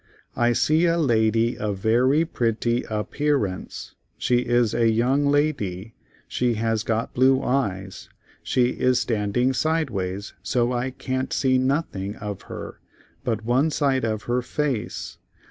I see a la dy of ver y pret ty ap pear ance. She is a young la dy; she has got blue eyes, she is stand ing sideways so I can't see noth ing of her but one side of her face.